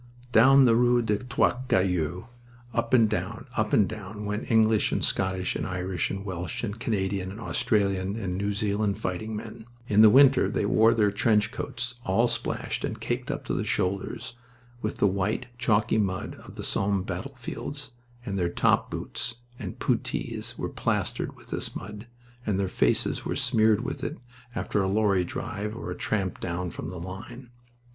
Down the rue des Trois Cailloux, up and down, up and down, went English, and Scottish, and Irish, and Welsh, and Canadian, and Australian, and New Zealand fighting men. In the winter they wore their trench coats all splashed and caked up to the shoulders with the white, chalky mud of the Somme battlefields, and their top boots and puttees were plastered with this mud, and their faces were smeared with it after a lorry drive or a tramp down from the line.